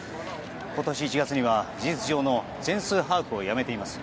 今年１月には、事実上の全数把握をやめています。